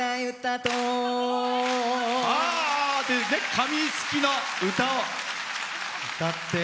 紙すきの唄をうたって。